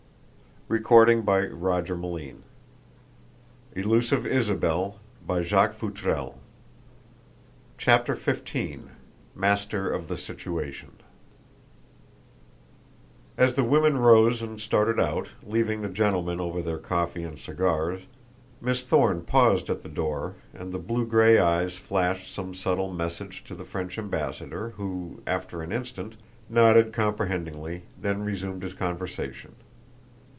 "The ambassador?" "Perfectly safe," responded Mr. Grimm. "Two of my men are with him." XV MASTER OF THE SITUATION As the women rose and started out, leaving the gentlemen over their coffee and cigars, Miss Thorne paused at the door and the blue gray eyes flashed some subtle message to the French ambassador who, after an instant, nodded comprehendingly, then resumed his conversation.